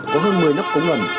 có hơn một mươi nắp cống lần